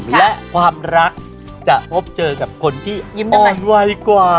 และความรักจะพบเจอกับคนที่อ่อนไวกว่า